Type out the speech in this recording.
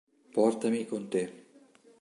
Portami con te